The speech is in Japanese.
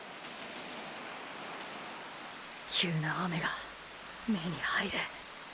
急な雨が目に入る。